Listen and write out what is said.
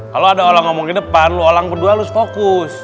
kalau ada orang ngomong di depan lu alang berdua lus fokus